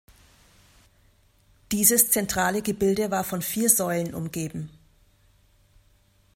Dieses zentrale Gebilde war von vier Säulen umgeben.